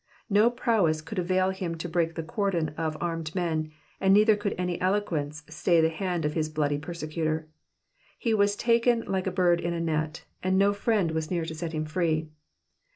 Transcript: No prowess could avail him to break the cordon of armed men, neither could any eloquence stay the hand of his bloody persecutor. He was taken like a bird, in a net, and no friend was near to set him free.